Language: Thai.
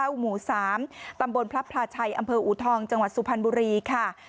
หมู่๓ตำบลพระพลาชัยอำเภออูทองจังหวัดสุพรรณบุรีค่ะ